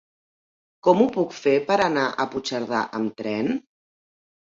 Com ho puc fer per anar a Puigcerdà amb tren?